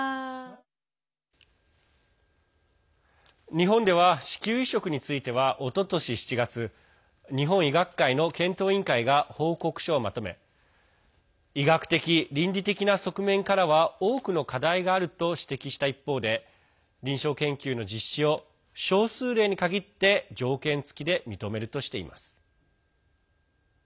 日本では、子宮移植についてはおととし７月日本医学会の検討委員会が報告書をまとめ医学的・倫理的な側面からは多くの課題があると指摘した一方で臨床研究の実施を少数例に限って条件付きで認めるとしています。